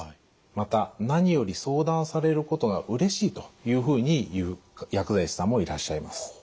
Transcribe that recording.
また何より相談されることがうれしいというふうに言う薬剤師さんもいらっしゃいます。